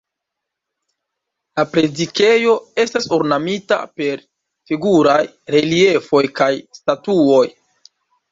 La predikejo estas ornamita per figuraj reliefoj kaj statuoj.